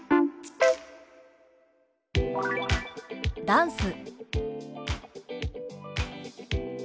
「ダンス」。